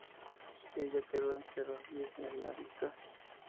Ella quedó entre las diez semifinalistas.